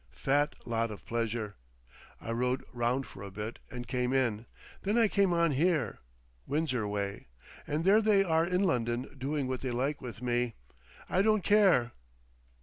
Fat lot of pleasure! I rowed round for a bit and came in. Then I came on here. Windsor way. And there they are in London doing what they like with me.... I don't care!"